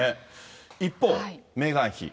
一方、メーガン妃。